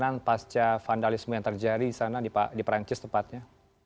penanganan pasca vandalisme yang terjadi di sana di perancis tepatnya